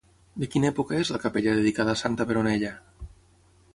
De quina època és la capella dedicada a santa Peronella?